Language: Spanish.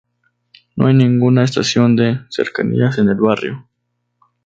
No hay ninguna estación de Cercanías en el barrio.